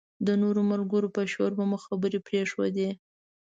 د نورو ملګرو په شور به مو خبرې پرېښودې.